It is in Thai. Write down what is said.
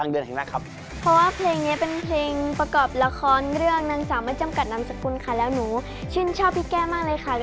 นี่เองประกอบละครเรื่องนางศาลไม่จำกัดนามสกุลค่ะแล้วฉันชอบพี่แก้มากเลยค่ะ